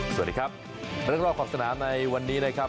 สวัสดีครับเรื่องรอบขอบสนามในวันนี้นะครับ